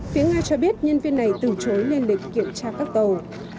phía nga cho biết nhân viên này từ chối lên lịch kiểm tra các tàu